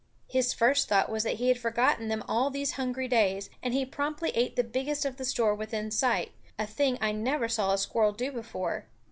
His first thought was that he had forgotten them all these hungry days, and he promptly ate the biggest of the store within sight, a thing I never saw a squirrel do before.